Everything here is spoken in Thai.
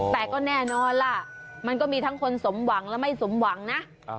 แต่ก็แน่นอนล่ะมันก็มีทั้งคนสมหวังและไม่สมหวังนะ